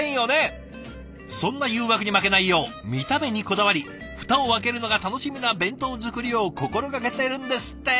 そんな誘惑に負けないよう見た目にこだわり蓋を開けるのが楽しみな弁当作りを心がけてるんですって！